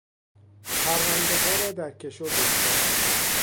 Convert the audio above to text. پروندهها را در کشو بگذار.